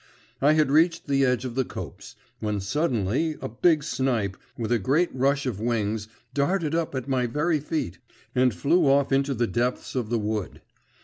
I had reached the edge of the copse, when suddenly a big snipe, with a great rush of wings, darted up at my very feet, and flew off into the depths of the wood.